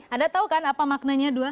anda tahu kan apa maknanya dua